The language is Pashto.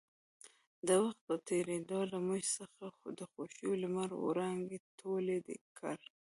د وخـت پـه تېـرېدو لـه مـوږ څـخـه د خـوښـيو لمـر وړانـګې تـولې کـړې.